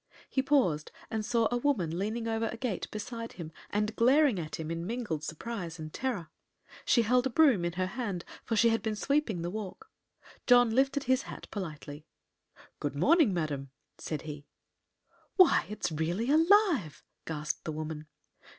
He paused, and saw a woman leaning over a gate beside him and glaring at him in mingled surprise and terror. She held a broom in her hand, for she had been sweeping the walk. John lifted his hat politely. "Good morning, madam," said he. "Why, it's really alive!" gasped the woman.